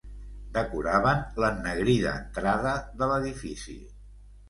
Decoraven l’ennegrida entrada de l’edifici.